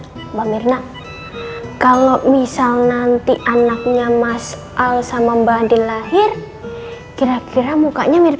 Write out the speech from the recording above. mbak mirna kalau misal nanti anaknya mas al sama mbak andi lahir kira kira mukanya mirip